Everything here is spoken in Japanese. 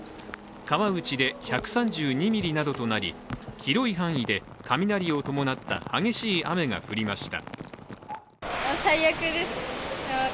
川内で１３２ミリなどとなり広い範囲でカミナリを伴った激しい雨が降りました。